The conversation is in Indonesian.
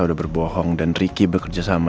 udah berbohong dan ricky bekerja sama